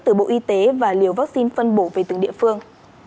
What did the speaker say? về cơ quan y tế và liều vaccine phân bổ về từng địa phương